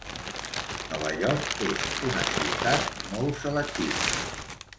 Nova York és una ciutat molt selectiva.